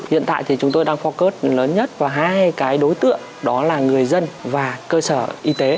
hiện tại thì chúng tôi đang focus lớn nhất vào hai cái đối tượng đó là người dân và cơ sở y tế